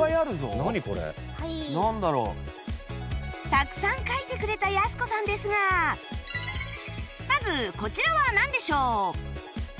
たくさん描いてくれたやす子さんですがまずこちらはなんでしょう？